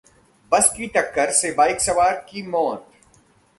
बस की टक्कर से बाइक सवार की मौत